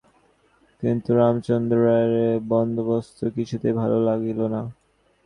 কিন্তু রামচন্দ্র রায়ের এ বন্দোবস্ত কিছুতেই ভালো লাগিল না।